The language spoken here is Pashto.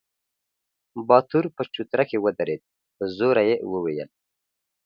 باتور په چوتره کې ودرېد، په زوټه يې وويل: